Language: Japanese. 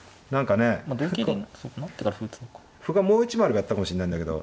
歩がもう一枚あればやったかもしれないんだけど。